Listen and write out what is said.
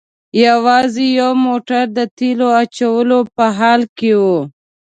یوازې یو موټر د تیلو اچولو په حال کې و.